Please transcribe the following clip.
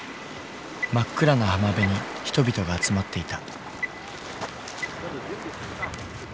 真っ暗な浜辺に人々が集まっていた。